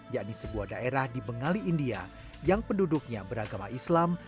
yakni sebuah daerah di bengali india yang penduduknya beragama islam